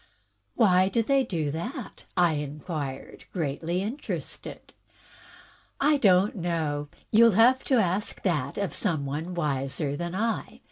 "Why do they do that?" I inquired, greatly interested. " I don't know. You'll have to ask that of some one wiser than I.